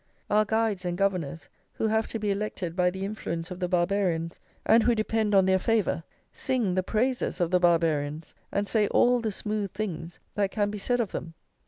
Our guides and governors who have to be elected by the influence of the Barbarians, and who depend on their favour, sing the praises of the Barbarians, and say all the smooth things that can be said of them.